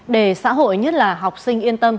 để xã hội nhất là học sinh yên tâm